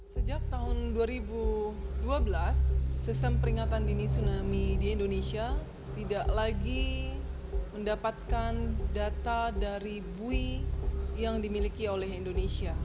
sejak tahun dua ribu dua belas sistem peringatan dini tsunami di indonesia tidak lagi mendapatkan data dari bui yang dimiliki oleh indonesia